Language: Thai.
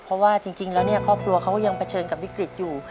เพราะว่าจริงแล้วเนี่ยครอบครัวเขาก็ยังเผชิญกับวิกฤตอยู่